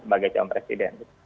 sebagai calon presiden